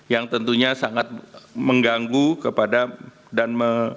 yang tentunya sangat mengganggu kepada dan